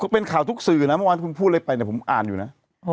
เป็นข่าวทุกสื่อนะเมื่อวานคุณพูดอะไรไปเนี่ยผมอ่านอยู่นะ